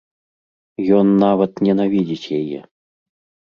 Ён нават ненавідзіць яе.